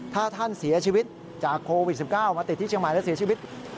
ถ้าท่านเสียชีวิตจากโควิด๑๙มาติดที่เชียงใหม่แล้วเสียชีวิต